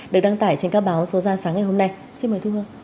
được đăng tải trên các báo số ra sáng ngày hôm nay xin mời thu hương